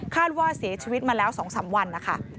ว่าเสียชีวิตมาแล้ว๒๓วันนะคะ